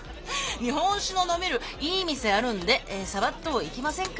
「日本酒の飲めるいい店あるんでサバっと行きませんか？」